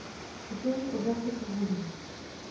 Titulní obraz je původní.